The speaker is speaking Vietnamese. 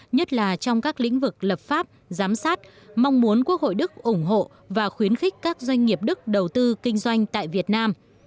nhất là trong các lĩnh vực lập pháp giám sát mong muốn quốc hội đức ủng hộ và khuyến khích các doanh nghiệp đức đầu tư kinh doanh tại việt nam